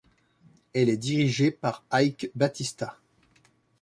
Elle est dirigée par Eike Batista.